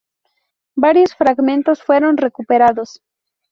Varios fragmentos fueron recuperados.